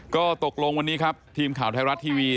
ก็ตกลงวันนี้ครับทีมข่าวไทยรัฐทีวี